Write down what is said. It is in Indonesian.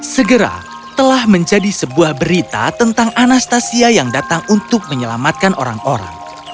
segera telah menjadi sebuah berita tentang anastasia yang datang untuk menyelamatkan orang orang